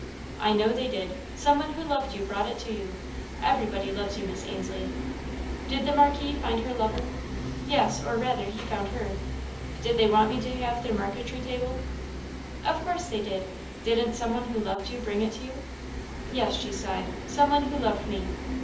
"I know they did. Some one who loved you brought it to you. Everybody loves you, Miss Ainslie." "Did the Marquise find her lover?" "Yes, or rather, he found her." "Did they want me to have their marquetry table?" "Of course they did. Didn't some one who loved you bring it to you?" "Yes," she sighed, "some one who loved me."